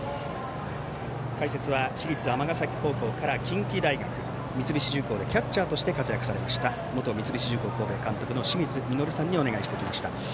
解説は市立尼崎高校から近畿大学三菱重工でキャッチャーとして活躍されました元三菱重工神戸監督の清水稔さんにお願いしてきました。